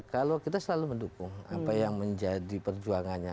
kalau kita selalu mendukung apa yang menjadi perjuangannya